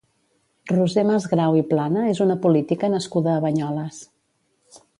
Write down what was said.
Roser Masgrau i Plana és una política nascuda a Banyoles.